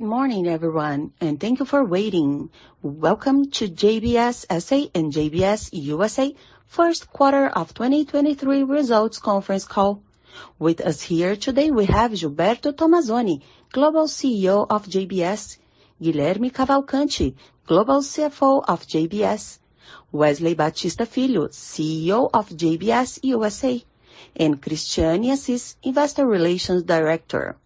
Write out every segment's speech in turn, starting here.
Good morning everyone. Thank you for waiting. Welcome to JBS S.A. and JBS USA first quarter of 2023 results conference call. With us here today we have Gilberto Tomazoni, Global CEO of JBS; Guilherme Cavalcanti, Global CFO of JBS; Wesley Batista Filho, CEO of JBS USA; and Christiane Assis, Investor Relations Director.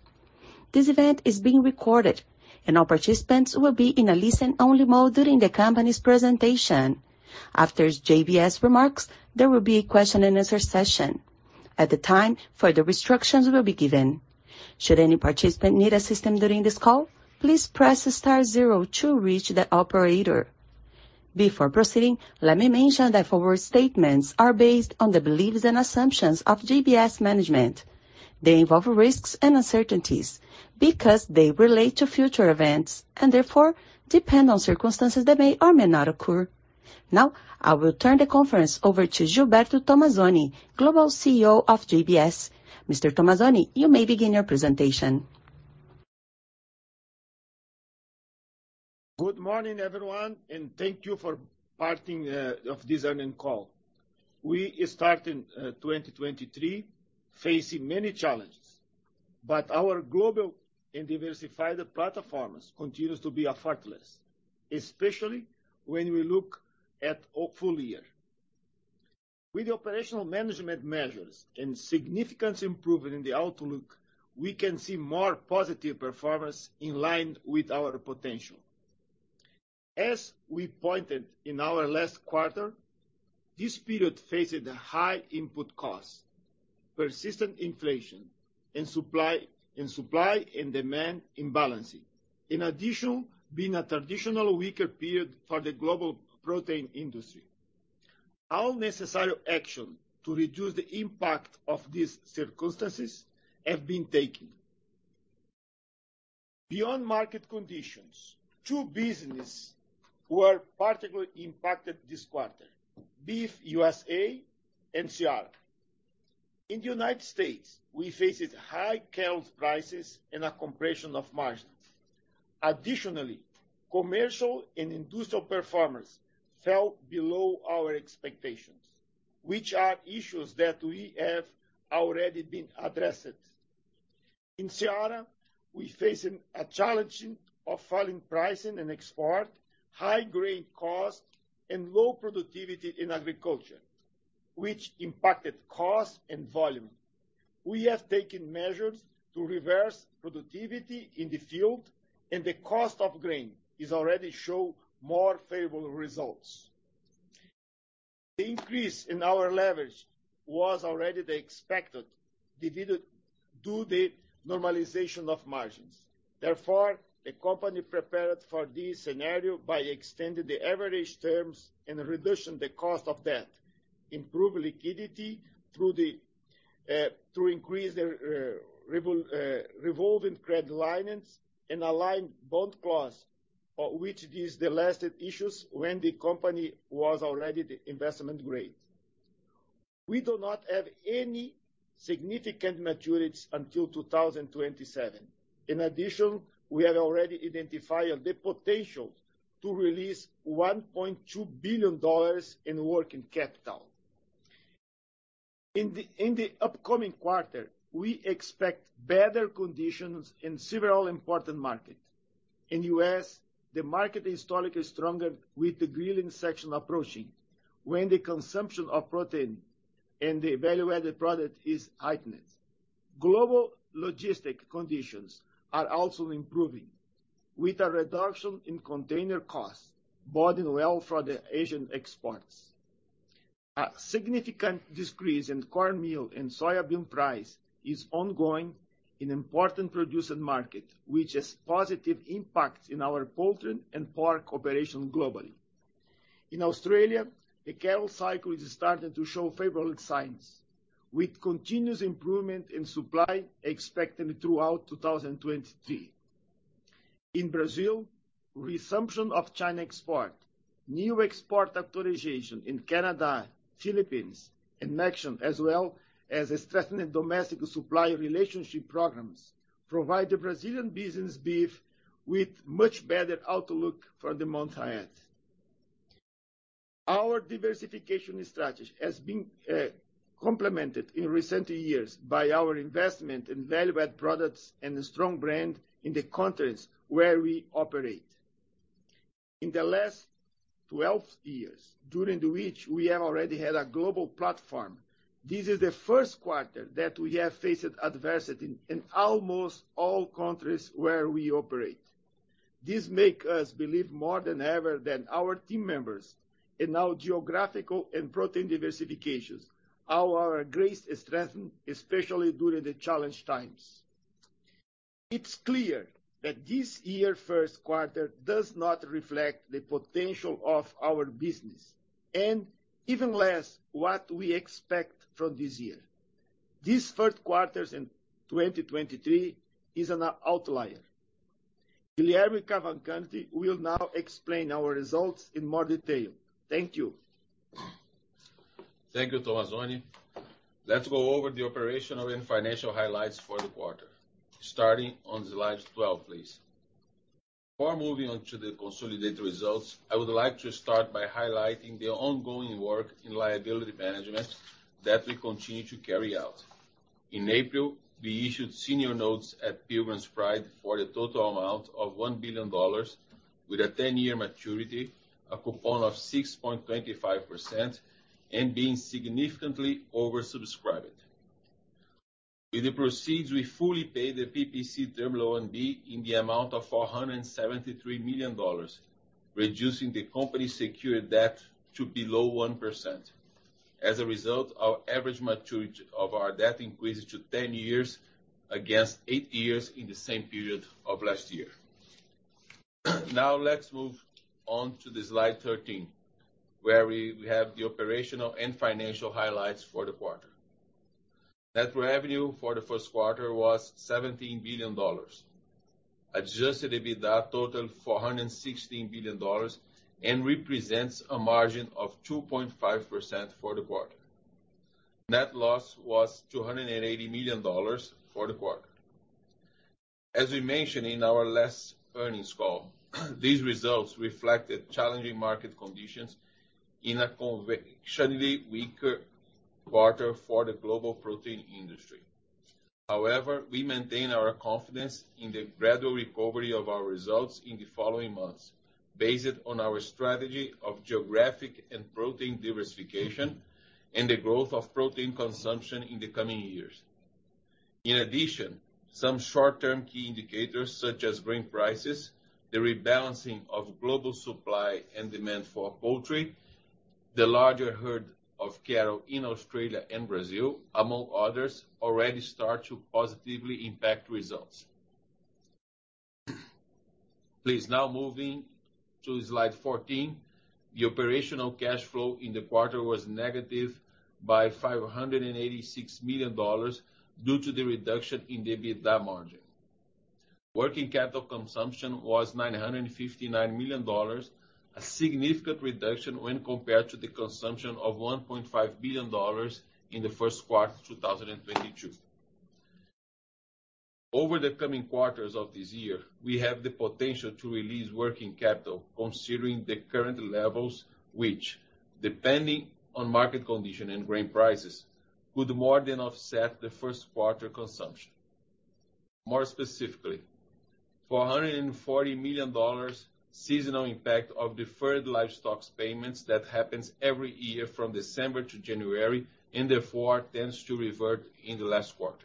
This event is being recorded. All participants will be in a listen-only mode during the company's presentation. After JBS remarks, there will be a question and answer session. At the time, further instructions will be given. Should any participant need assistance during this call, please press star zero to reach the operator. Before proceeding, let me mention that forward statements are based on the beliefs and assumptions of JBS management. They involve risks and uncertainties because they relate to future events and therefore depend on circumstances that may or may not occur. Now, I will turn the conference over to Gilberto Tomazoni, Global CEO of JBS. Mr. Tomazoni, you may begin your presentation. Good morning everyone. Thank you for parting of this earnings call. We started 2023 facing many challenges, but our global and diversified platforms continues to be a fortress, especially when we look at a full year. With the operational management measures and significant improvement in the outlook, we can see more positive performance in line with our potential. As we pointed in our last quarter, this period faces a high input cost, persistent inflation and supply and demand imbalancing. In addition, being a traditional weaker period for the global protein industry, all necessary action to reduce the impact of these circumstances have been taken. Beyond market conditions, two business were particularly impacted this quarter, Beef USA and Seara. In the United States, we faces high cattle prices and a compression of margins. Commercial and industrial performance fell below our expectations, which are issues that we have already been addressed. In Seara, we facing a challenging of falling pricing and export, high grain cost and low productivity in agriculture, which impacted cost and volume. We have taken measures to reverse productivity in the field, the cost of grain is already show more favorable results. The increase in our leverage was already the expected, due to the normalization of margins. The company prepared for this scenario by extending the average terms and reducing the cost of debt, improve liquidity through the increase the revolving credit lines and align bond clause, which is the lasted issues when the company was already the investment grade. We do not have any significant maturities until 2027. We have already identified the potential to release $1.2 billion in working capital. In the upcoming quarter, we expect better conditions in several important market. In U.S., the market is historically stronger with the grilling season approaching when the consumption of protein and the value-added product is heightened. Global logistic conditions are also improving with a reduction in container costs boding well for the Asian exports. A significant decrease in corn meal and soybean price is ongoing in important producing market, which has positive impact in our poultry and pork operation globally. In Australia, the cattle cycle is starting to show favorable signs with continuous improvement in supply expected throughout 2023. In Brazil, resumption of China export, new export authorization in Canada, Philippines, and Mexico, as well as a strengthened domestic supplier relationship programs provide the Brazilian business beef with much better outlook for the months ahead. Our diversification strategy has been complemented in recent years by our investment in value-add products and a strong brand in the countries where we operate. In the last 12 years, during which we have already had a global platform, this is the first quarter that we have faced adversity in almost all countries where we operate. This makes us believe more than ever that our team members in our geographical and protein diversifications, our grace is strengthened, especially during the challenge times. It's clear that this year first quarter does not reflect the potential of our business and even less what we expect from this year. This first quarter in 2023 is an outlier. Guilherme Cavalcanti will now explain our results in more detail. Thank you. Thank you, Tomazoni. Let's go over the operational and financial highlights for the quarter, starting on slide 12, please. Before moving on to the consolidated results, I would like to start by highlighting the ongoing work in liability management that we continue to carry out. In April, we issued senior notes at Pilgrim's Pride for a total amount of $1 billion with a 10-year maturity, a coupon of 6.25% and being significantly oversubscribed. With the proceeds, we fully paid the PPC Term Loan B in the amount of $473 million, reducing the company's secured debt to below 1%. As a result, our average maturity of our debt increases to 10 years, against eight years in the same period of last year. Now, let's move on to slide 13, where we have the operational and financial highlights for the quarter. Net revenue for the first quarter was $17 billion. Adjusted EBITDA totaled $416 billion and represents a margin of 2.5% for the quarter. Net loss was $280 million for the quarter. As we mentioned in our last earnings call, these results reflected challenging market conditions in a conventionally weaker quarter for the global protein industry. We maintain our confidence in the gradual recovery of our results in the following months, based on our strategy of geographic and protein diversification and the growth of protein consumption in the coming years. Some short-term key indicators such as grain prices, the rebalancing of global supply and demand for poultry, the larger herd of cattle in Australia and Brazil, among others, already start to positively impact results. Please, now moving to slide 14. The operational cash flow in the quarter was negative by $586 million due to the reduction in the EBITDA margin. Working capital consumption was $959 million, a significant reduction when compared to the consumption of $1.5 billion in the first quarter of 2022. Over the coming quarters of this year, we have the potential to release working capital considering the current levels, which, depending on market condition and grain prices, could more than offset the first quarter consumption. More specifically, $440 million seasonal impact of deferred livestocks payments that happens every year from December to January, and therefore tends to revert in the last quarter.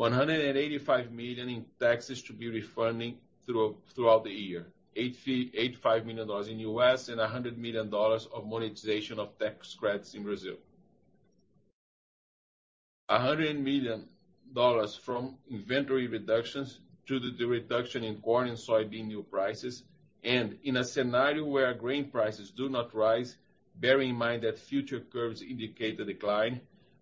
$185 million in taxes to be refunded throughout the year. $85 million in U.S., and $100 million of monetization of tax credits in Brazil. $100 million from inventory reductions due to the reduction in corn and soybean new prices, and in a scenario where grain prices do not rise, bear in mind that future curves indicate a decline,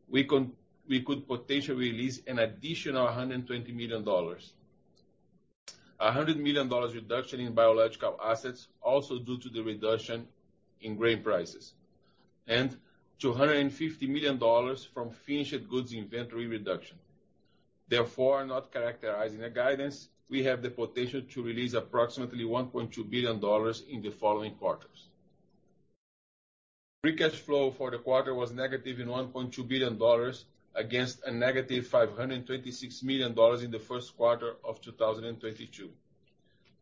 we could potentially release an additional $120 million. $100 million reduction in biological assets also due to the reduction in grain prices, and $250 million from finished goods inventory reduction. Not characterizing a guidance, we have the potential to release approximately $1.2 billion in the following quarters. Free cash flow for the quarter was -$1.2 billion, against a -$526 million in the first quarter of 2022.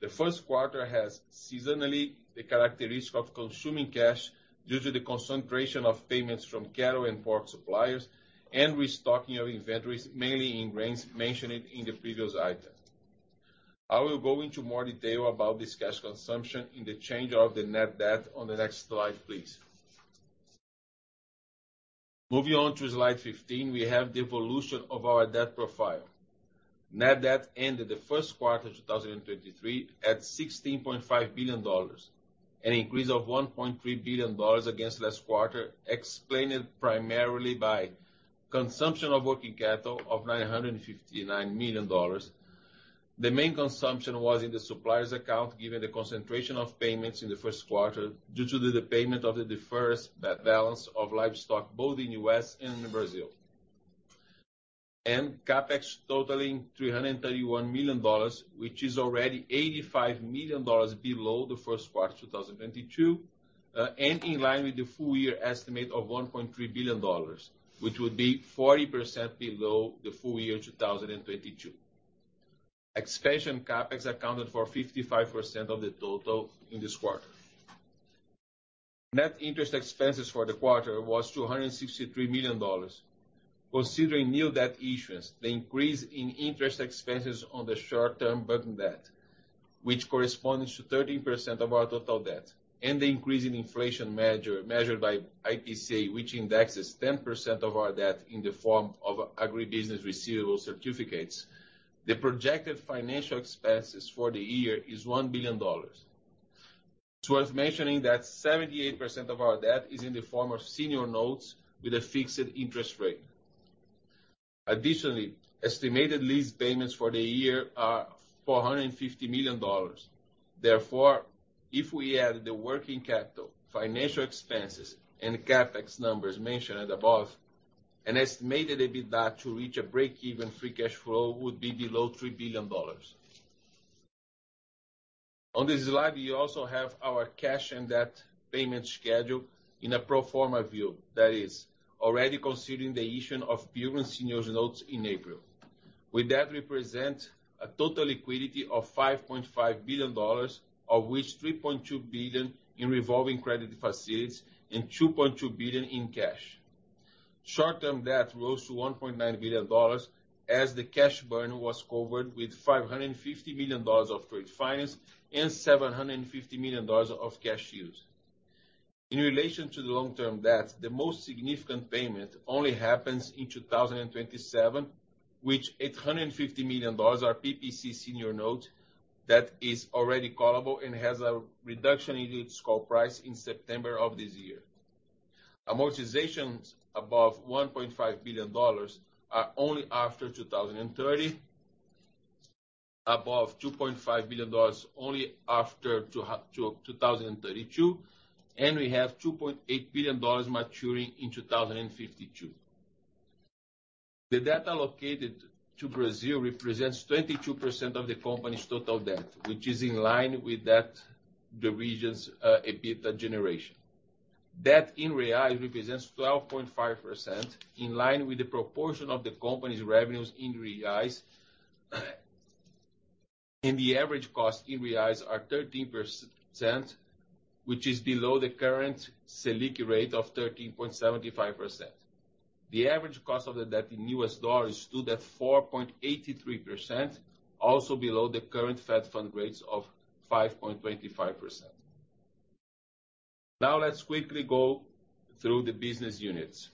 The first quarter has seasonally the characteristic of consuming cash due to the concentration of payments from cattle and pork suppliers and restocking of inventories, mainly in grains, mentioned in the previous item. I will go into more detail about this cash consumption in the change of the net debt on the next slide, please. Moving on to slide 15, we have the evolution of our debt profile. Net debt ended the first quarter of 2023 at $16.5 billion, an increase of $1.3 billion against last quarter, explained primarily by consumption of working cattle of $959 million. The main consumption was in the suppliers account, given the concentration of payments in the first quarter due to the payment of the deferred balance of livestock, both in U.S. and in Brazil. CapEx totaling $331 million, which is already $85 million below the first quarter of 2022, and in line with the full year estimate of $1.3 billion, which would be 40% below the full year 2022. Expansion CapEx accounted for 55% of the total in this quarter. Net interest expenses for the quarter was $263 million. Considering new debt issuance, the increase in interest expenses on the short-term burden debt, which corresponds to 13% of our total debt and the increase in inflation measure, measured by IPC, which indexes 10% of our debt in the form of Agribusiness Receivables Certificates, the projected financial expenses for the year is $1 billion. It's worth mentioning that 78% of our debt is in the form of senior notes with a fixed interest rate. Additionally, estimated lease payments for the year are $450 million. Therefore, if we add the working capital, financial expenses, and CapEx numbers mentioned above, an estimated EBITDA to reach a break-even free cash flow would be below $3 billion. On this slide, we also have our cash and debt payment schedule in a pro forma view, that is already considering the issuing of Pilgrim's Senior Notes in April. With that represent a total liquidity of $5.5 billion, of which $3.2 billion in revolving credit facilities and $2.2 billion in cash. Short-term debt rose to $1.9 billion as the cash burn was covered with $550 million of trade finance and $750 million of cash use. In relation to the long-term debt, the most significant payment only happens in 2027, which $850 million are PPC Senior Note that is already callable and has a reduction in its call price in September of this year. Amortizations above $1.5 billion are only after 2030, above $2.5 billion only after 2032. We have $2.8 billion maturing in 2052. The debt allocated to Brazil represents 22% of the company's total debt, which is in line with debt the region's EBITDA generation. Debt in Reais represents 12.5% in line with the proportion of the company's revenues in Reais. The average cost in Reais are 13%, which is below the current Selic rate of 13.75%. The average cost of the debt in US dollars stood at 4.83%, also below the current Fed Funds rates of 5.25%. Let's quickly go through the business units.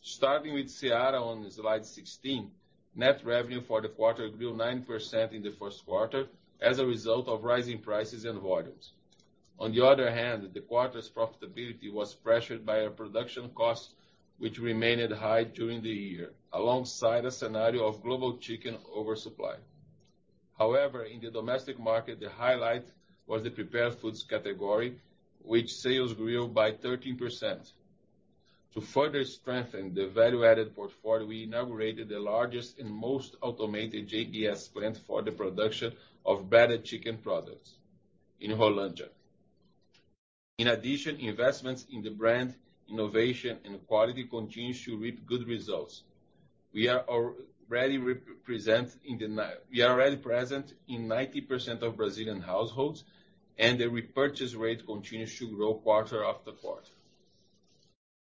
Starting with Seara on slide 16, net revenue for the quarter grew 9% in the first quarter as a result of rising prices and volumes. On the other hand, the quarter's profitability was pressured by a production cost which remained high during the year, alongside a scenario of global chicken oversupply. However, in the domestic market, the highlight was the prepared foods category, which sales grew by 13%. To further strengthen the value-added portfolio, we inaugurated the largest and most automated JBS plant for the production of battered chicken products in Holambra. In addition, investments in the brand, innovation, and quality continues to reap good results. We are already present in 90% of Brazilian households, and the repurchase rate continues to grow quarter after quarter.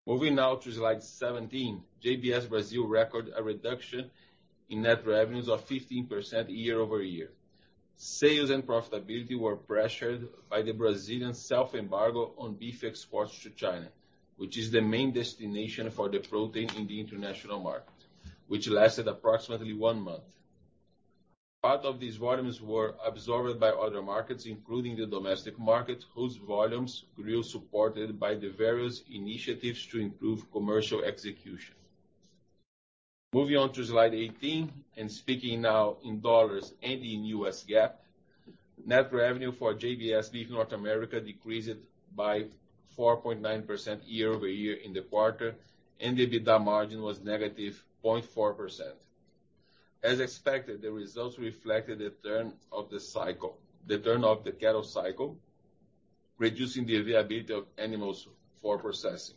Moving now to slide 17, JBS Brasil record a reduction in net revenues of 15% year-over-year. Sales and profitability were pressured by the Brazilian self-embargo on beef exports to China, which is the main destination for the protein in the international market, which lasted approximately one month. Part of these volumes were absorbed by other markets, including the domestic market, whose volumes grew, supported by the various initiatives to improve commercial execution. Moving on to slide 18 and speaking now in dollars and in U.S. GAAP, net revenue for JBS Beef North America decreased by 4.9% year-over-year in the quarter, and the EBITDA margin was -0.4%. As expected, the results reflected the turn of the cattle cycle, reducing the availability of animals for processing.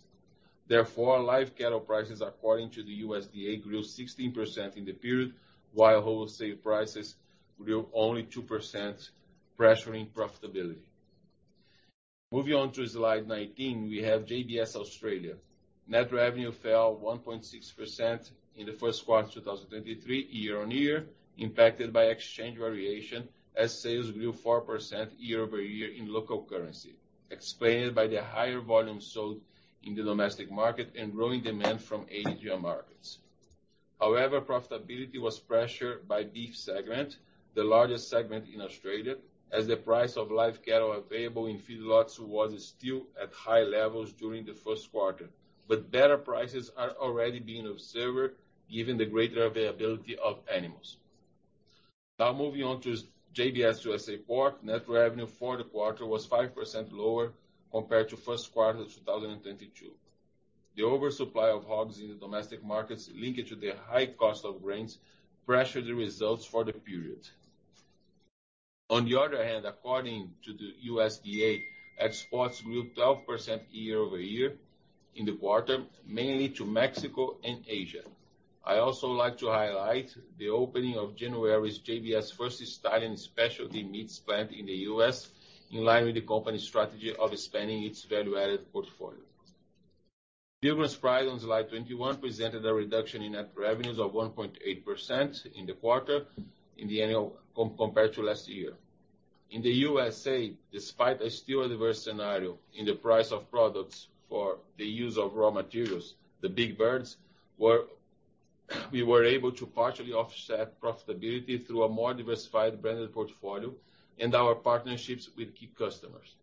Live cattle prices, according to the USDA, grew 16% in the period, while wholesale prices grew only 2%, pressuring profitability. Moving on to slide 19, we have JBS Australia. Net revenue fell 1.6% in the first quarter of 2023 year-over-year, impacted by exchange variation as sales grew 4% year-over-year in local currency, explained by the higher volume sold in the domestic market and growing demand from Asia markets. However, profitability was pressured by beef segment, the largest segment in Australia, as the price of live cattle available in feedlots was still at high levels during the first quarter. Better prices are already being observed given the greater availability of animals. Moving on to JBS USA Pork. Net revenue for the quarter was 5% lower compared to first quarter 2022. The oversupply of hogs in the domestic markets linked to the high cost of grains pressured the results for the period. According to the USDA, exports grew 12% year-over-year in the quarter, mainly to Mexico and Asia. I also like to highlight the opening of January's JBS first specialty meat plant in the U.S., in line with the company's strategy of expanding its value-added portfolio. Pilgrim's Pride on slide 21 presented a reduction in net revenues of 1.8% in the quarter compared to last year. In the USA, despite a still adverse scenario in the price of products for the use of raw materials, the big birds we were able to partially offset profitability through a more diversified branded portfolio and our partnerships with key customers.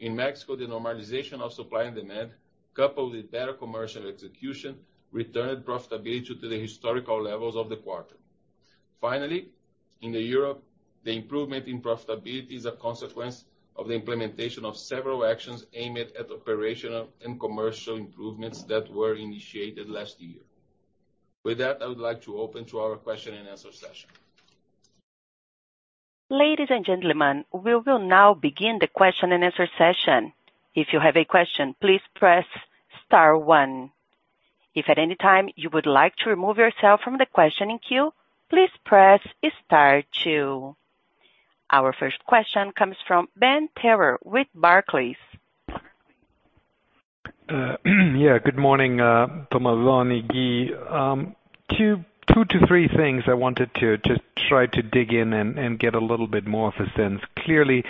In Mexico, the normalization of supply and demand, coupled with better commercial execution, returned profitability to the historical levels of the quarter. Finally, in Europe, the improvement in profitability is a consequence of the implementation of several actions aimed at operational and commercial improvements that were initiated last year. With that, I would like to open to our question and answer session. Ladies and gentlemen, we will now begin the question and answer session. If you have a question, please press star one. If at any time you would like to remove yourself from the questioning queue, please press star two. Our first question comes from Ben Theurer with Barclays. Yeah. Good morning, Tomazoni, Gui. Two to three things I wanted to try to dig in and get a little bit more of a sense. Clearly,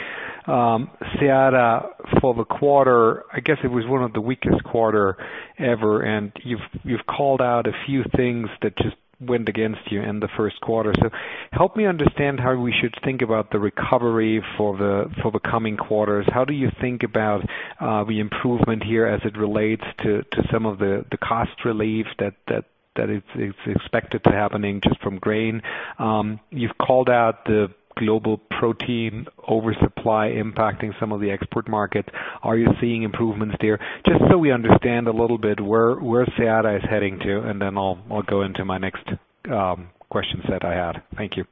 Seara for the quarter, I guess it was one of the weakest quarter ever, and you've called out a few things that just went against you in the first quarter. Help me understand how we should think about the recovery for the coming quarters. How do you think about the improvement here as it relates to some of the cost relief that is expected to happening just from grain? You've called out the global protein oversupply impacting some of the export markets. Are you seeing improvements there? Just so we understand a little bit where Seara is heading to, and then I'll go into my next question set I had. Thank you.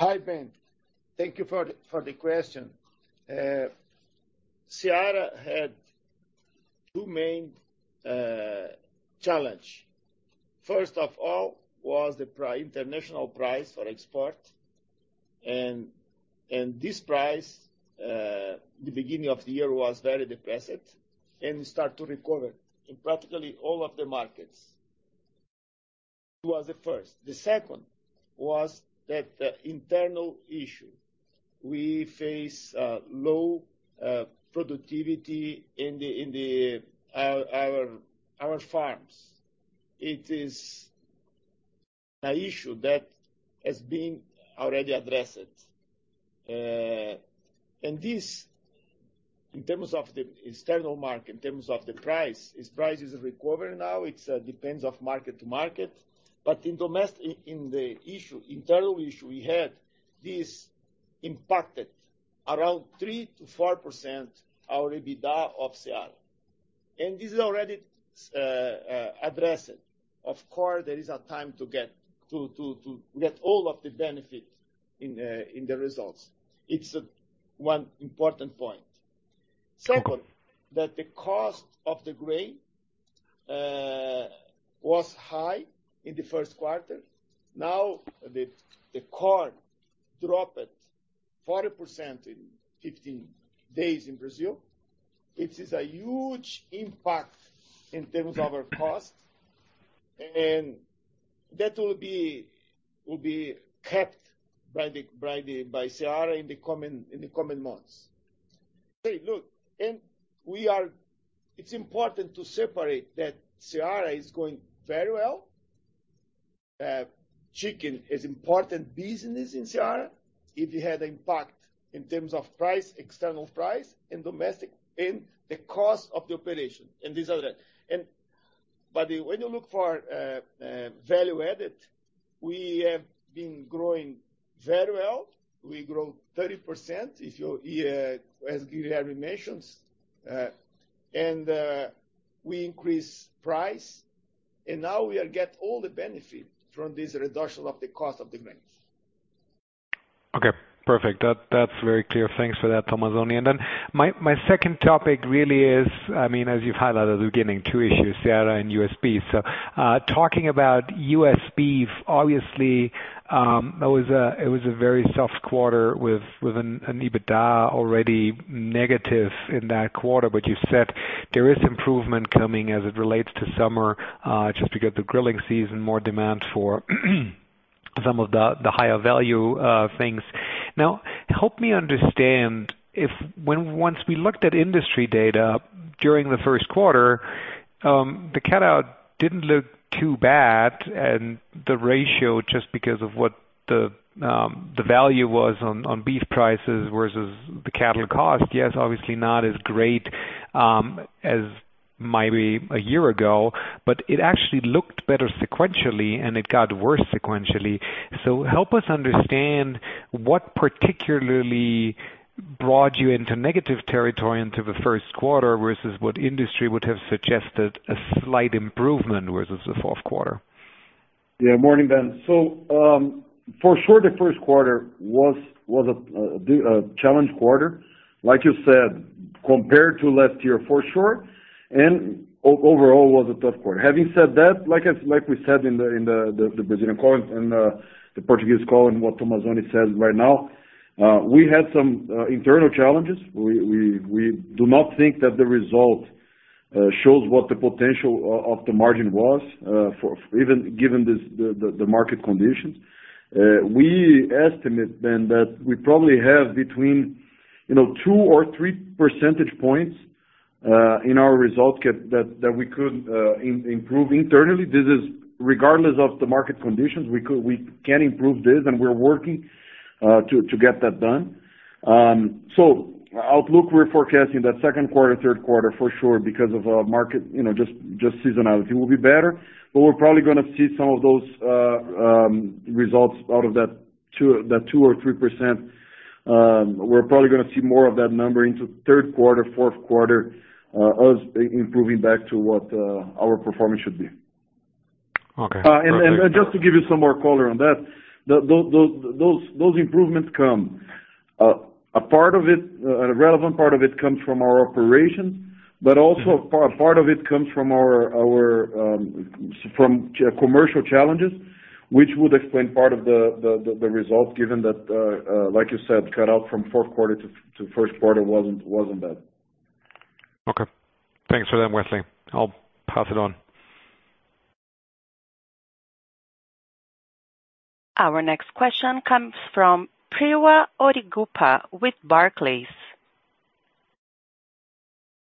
Hi, Ben. Thank you for the question. Seara had two main challenge. First of all was the international price for export and this price the beginning of the year was very depressed. It start to recover in practically all of the markets. It was the first. The second was that internal issue. We face low productivity in the our farms. It is an issue that has been already addressed. This, in terms of the external market, in terms of the price, its price is recovering now. It depends of market to market. In domestic in the issue, internal issue we had, this impacted around 3%-4% our EBITDA of Seara. This is already addressed. Of course, there is a time to get all of the benefit in the results. It's one important point. Second, that the cost of the grain was high in the first quarter. Now the corn dropped 40% in 15 days in Brazil, which is a huge impact in terms of our cost, and that will be kept by Seara in the coming months. It's important to separate that Seara is going very well. Chicken is important business in Seara. It had impact in terms of price, external price and domestic, and the cost of the operation, and these are that. When you look for value added, we have been growing very well. We grow 30% if you're, as Gui had mentioned. We increase price, and now we get all the benefit from this reduction of the cost of the grains. Okay. Perfect. That's very clear. Thanks for that, Tomazoni. My second topic really is, I mean, as you've highlighted at the beginning, two issues, Seara and U.S. Beef. Talking about U.S. Beef, obviously, it was a very soft quarter with an EBITDA already negative in that quarter. You said there is improvement coming as it relates to summer, just to get the grilling season more demand for some of the higher value things. Help me understand if once we looked at industry data during the first quarter, the cut-out didn't look too bad and the ratio just because of what the value was on beef prices versus the cattle cost. Obviously not as great as maybe a year ago, but it actually looked better sequentially, and it got worse sequentially. Help us understand what particularly brought you into negative territory into the first quarter versus what industry would have suggested a slight improvement versus the fourth quarter? Yeah. Morning, Ben. For sure the first quarter was a challenged quarter, like you said, compared to last year for sure, and overall was a tough quarter. Having said that, like we said in the Brazilian call and the Portuguese call and what Tomazoni said right now, we had some internal challenges. We do not think that the result shows what the potential of the margin was for even given this, the market conditions. We estimate then that we probably have between, you know, 2 or 3 percentage points In our results that we could improve internally. This is regardless of the market conditions. We can improve this, and we're working to get that done. Outlook, we're forecasting that second quarter, third quarter for sure because of market, you know, seasonality will be better. We're probably gonna see some of those results out of that 2% or 3%. We're probably gonna see more of that number into third quarter, fourth quarter, us improving back to what our performance should be. Okay. Just to give you some more color on that, those improvements come, a part of it, a relevant part of it comes from our operations, but also part of it comes from our, from commercial challenges, which would explain part of the result, given that, like you said, cut out from fourth quarter to first quarter wasn't bad. Okay. Thanks for that, Wesley. I'll pass it on. Our next question comes from Priya Ohri-Gupta with Barclays.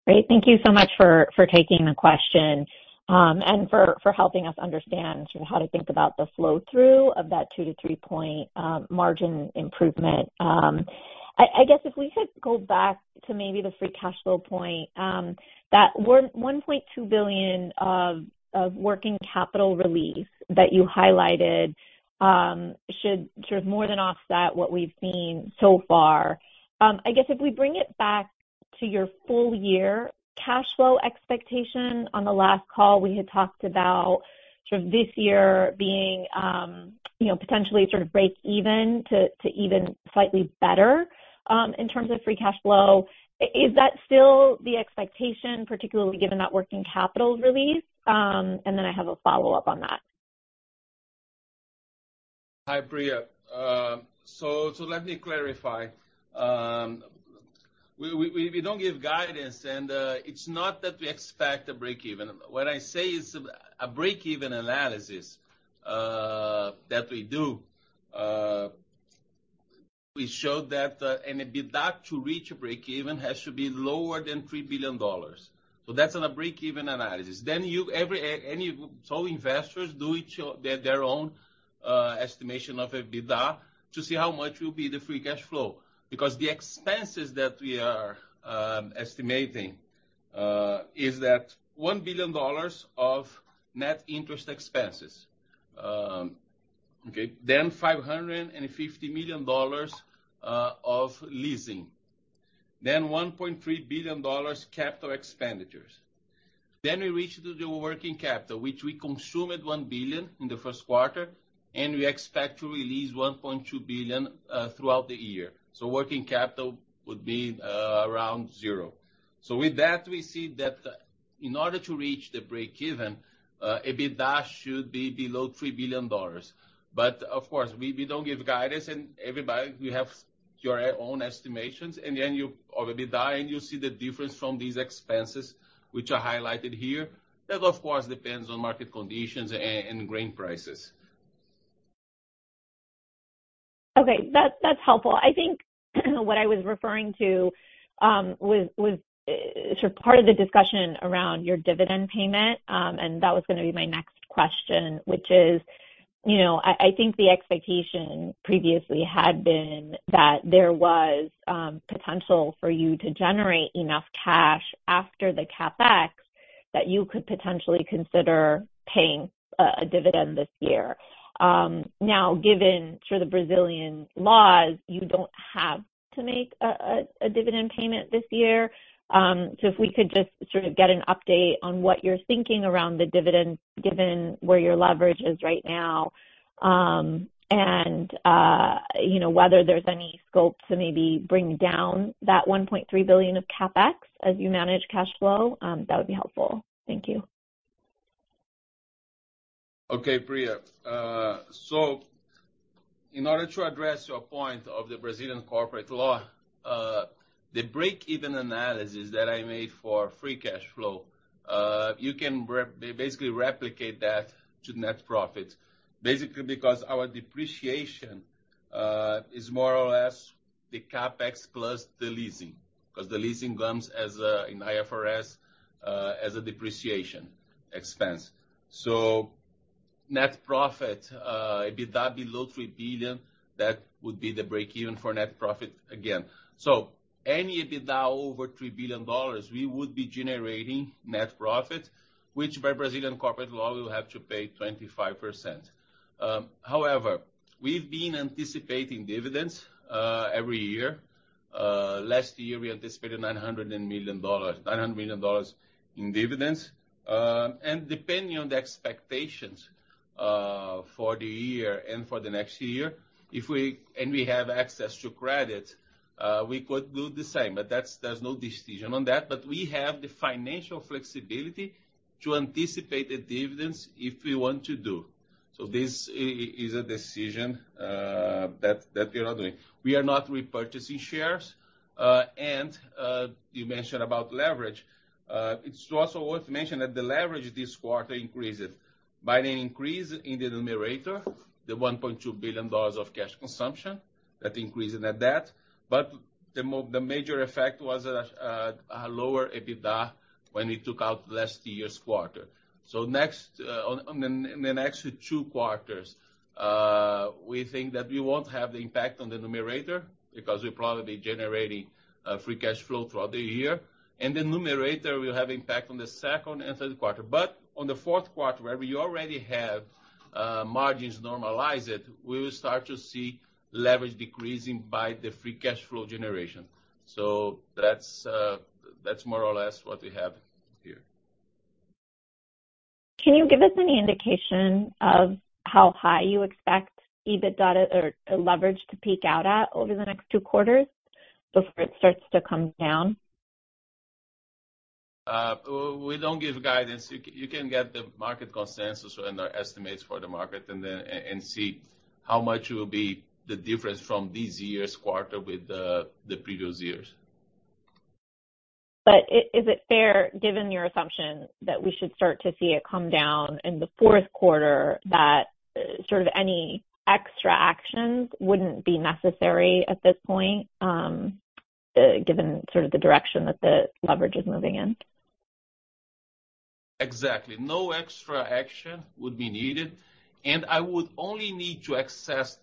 Great. Thank you so much for taking the question, and for helping us understand sort of how to think about the flow-through of that 2-3 percentage points margin improvement. I guess if we could go back to maybe the free cash flow point, that $1.2 billion of working capital relief that you highlighted, should sort of more than offset what we've seen so far. I guess if we bring it back to your full year cash flow expectation, on the last call, we had talked about sort of this year being, you know, potentially sort of breakeven to even slightly better, in terms of free cash flow. Is that still the expectation, particularly given that working capital relief? I have a follow-up on that. Hi, Priya. Let me clarify. We don't give guidance, it's not that we expect a breakeven. What I say is a breakeven analysis that we do, we showed that an EBITDA to reach a breakeven has to be lower than $3 billion. That's on a breakeven analysis. Investors do each, their own estimation of EBITDA to see how much will be the free cash flow. The expenses that we are estimating is that $1 billion of net interest expenses. $550 million of leasing. $1.3 billion capital expenditures. We reach to the working capital, which we consumed $1 billion in the first quarter, and we expect to release $1.2 billion throughout the year. Working capital would be around zero. With that, we see that in order to reach the breakeven, EBITDA should be below $3 billion. Of course, we don't give guidance. Everybody, you have your own estimations or EBITDA, and you see the difference from these expenses which are highlighted here. Of course, depends on market conditions and grain prices. Okay. That's helpful. I think what I was referring to was sort of part of the discussion around your dividend payment. That was gonna be my next question, which is, you know, I think the expectation previously had been that there was potential for you to generate enough cash after the CapEx that you could potentially consider paying a dividend this year. Given sort of Brazilian laws, you don't have to make a dividend payment this year. If we could just sort of get an update on what you're thinking around the dividend, given where your leverage is right now, you know, whether there's any scope to maybe bring down that $1.3 billion of CapEx as you manage cash flow, that would be helpful. Thank you. Okay, Priya. In order to address your point of the Brazilian corporate law, the breakeven analysis that I made for free cash flow, you can basically replicate that to net profit. Basically because our depreciation is more or less the CapEx plus the leasing, 'cause the leasing comes as an IFRS as a depreciation expense. Net profit, EBITDA below $3 billion, that would be the breakeven for net profit again. Any EBITDA over $3 billion, we would be generating net profit, which by Brazilian corporate law, we will have to pay 25%. However, we've been anticipating dividends every year. Last year we anticipated $900 million in dividends. Depending on the expectations, for the year and for the next year, if we and we have access to credit, we could do the same. There's no decision on that. We have the financial flexibility to anticipate the dividends if we want to do. This is a decision that we are doing. We are not repurchasing shares. You mentioned about leverage. It's also worth to mention that the leverage this quarter increased by the increase in the numerator, the $1.2 billion of cash consumption. That increase in the debt, but the major effect was a lower EBITDA when we took out last year's quarter. Next, on the next two quarters, we think that we won't have the impact on the numerator because we're probably generating free cash flow throughout the year. The numerator will have impact on the second and third quarter. On the fourth quarter, where we already have margins normalized, we will start to see leverage decreasing by the free cash flow generation. That's more or less what we have here. Can you give us any indication of how high you expect EBITDA to or leverage to peak out at over the next two quarters before it starts to come down? We don't give guidance. You can get the market consensus and our estimates for the market and then, and see how much will be the difference from this year's quarter with the previous years. Is it fair, given your assumption, that we should start to see it come down in the fourth quarter, that sort of any extra actions wouldn't be necessary at this point, given sort of the direction that the leverage is moving in? Exactly. No extra action would be needed. I would only need to access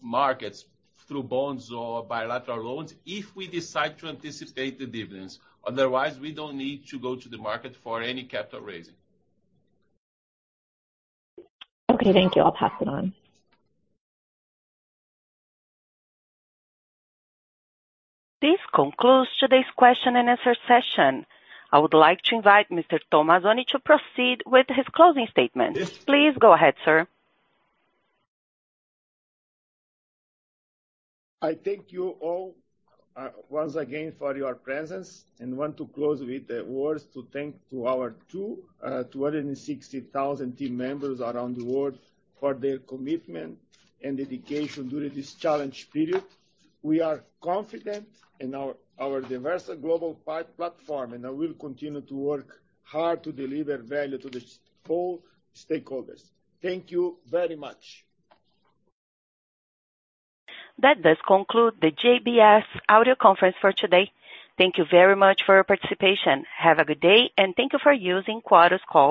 markets through bonds or bilateral loans if we decide to anticipate the dividends. Otherwise, we don't need to go to the market for any capital raising. Okay, thank you. I'll pass it on. This concludes today's question and answer session. I would like to invite Mr. Tomazoni to proceed with his closing statements. Yes. Please go ahead, sir. I thank you all, once again for your presence and want to close with the words to thank our 260,000 team members around the world for their commitment and dedication during this challenge period. We are confident in our diverse global platform, and I will continue to work hard to deliver value to all stakeholders. Thank you very much. That does conclude the JBS audio conference for today. Thank you very much for your participation. Have a good day, and thank you for using Chorus Call.